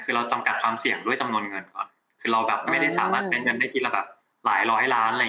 คือเราจำกัดความเสี่ยงด้วยจำนวนเงินก่อนคือเราแบบไม่ได้สามารถได้เงินได้กินละแบบหลายร้อยล้าน